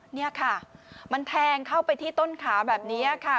นี่ค่ะมันแทงเข้าไปที่ต้นขาแบบนี้ค่ะ